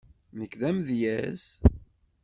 Nekk d amedyaz.